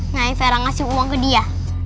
nah vera ngasih uang ke dia